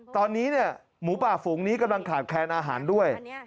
ตอนนี้หมูป่าฝูงนี้กำลังขาดแคลนอาหารด้วย